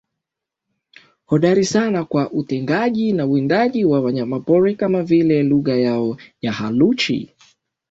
hodari sana kwa utegaji na uwindaji wa wanyamapori kama vile kwa lugha yao nyhaluchi